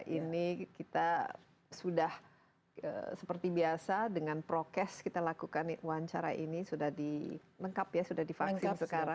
ini kita sudah seperti biasa dengan prokes kita lakukan wawancara ini sudah di lengkap ya sudah divaksin sekarang